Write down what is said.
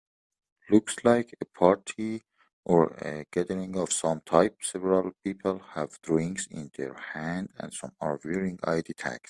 Looks like a party or gathering of some type several people have drinks in their hand and some are wearing ID tags